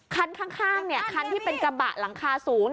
คันข้างคันที่เป็นกระบะหลังคาสูง